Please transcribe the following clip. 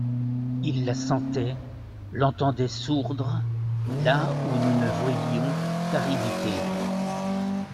Il la sentait, l'entendait sourdre, là où nous ne voyions qu'aridité.